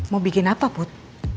mau bikin apa put